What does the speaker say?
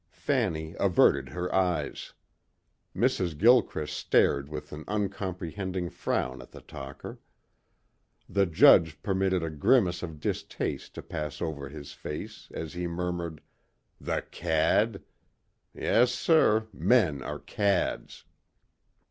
Fanny averted her eyes. Mrs. Gilchrist stared with an uncomprehending frown at the talker. The judge permitted a grimace of distaste to pass over his face as he murmured, "The cad. Yes sir, men are cads."